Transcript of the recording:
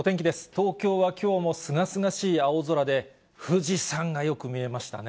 東京はきょうもすがすがしい青空で、富士山がよく見えましたね。